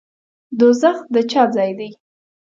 دوزخ د چا ځای دی؟